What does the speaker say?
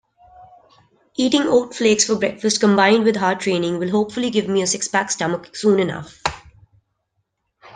Eating oat flakes for breakfast combined with hard training will hopefully give me a six-pack stomach soon enough.